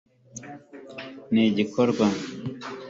nigikorwa